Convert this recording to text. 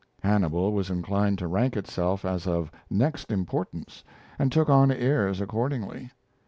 Hannibal was inclined to rank itself as of next importance, and took on airs accordingly.